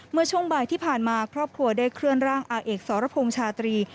เมื่อช่วงบ่ายที่ผ่านมาครอบครัวได้เคลื่อนร่างอาเอกสรพงษ์ชาตรี